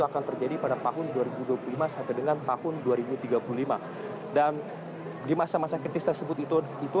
akan terjadi pada tahun dua ribu dua puluh lima sampai dengan tahun dua ribu tiga puluh lima dan di masa masa kritis tersebut itu